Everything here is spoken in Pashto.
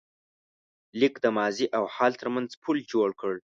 لیک د ماضي او حال تر منځ پُل جوړ کړ.